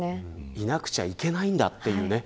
いなくちゃいけないんだという